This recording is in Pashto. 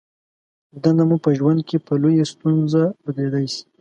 دنده مو په ژوند کې په لویې ستونزه بدلېدای شي.